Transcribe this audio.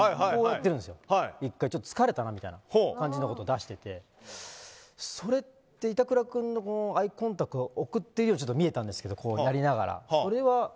ちょっと疲れたなみたいな感じのことを出してそれって板倉君にアイコンタクトを送っていたというように見えたんですがやりながら。